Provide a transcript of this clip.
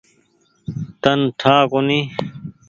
تن ٺآ ڪونيٚ ۔